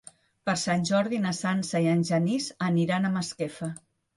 Per Sant Jordi na Sança i en Genís aniran a Masquefa.